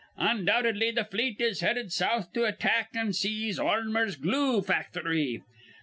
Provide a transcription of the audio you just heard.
'Undoubtedly, th' fleet is headed south to attack and seize Armour's glue facthory.